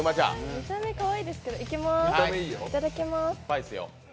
見た目かわいいですけど、いただきまーす。